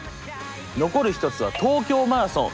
残る一つは東京マラソン。